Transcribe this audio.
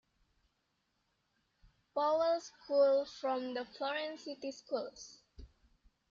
Powell School from the Florence City Schools.